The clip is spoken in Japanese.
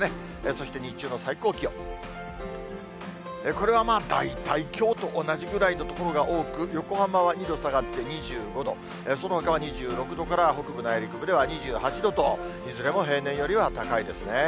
そして日中の最高気温、これはまあ大体、きょうと同じぐらいの所が多く、横浜は２度下がって２５度、そのほかは２６度から、北部内陸部では２８度と、いずれも平年よりは高いですね。